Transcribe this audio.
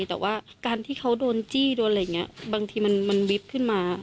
แต่ว่าการที่เขาโดนจี้โดนอะไรอย่างนี้บางทีมันวิบขึ้นมา